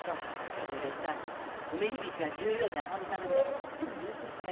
すみれさん梅響が十両に上がるためにはどうしても優勝しなきゃ駄目なのよ。